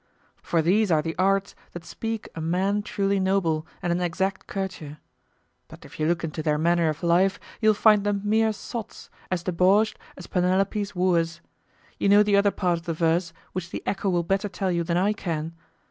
For these are the arts that speak a man truly noble and an exact courtier. But if you look into their manner of life you'll find them mere sots, as debauched as Penelope's wooers; you know the other part of the verse, which the echo will better tell you than I can.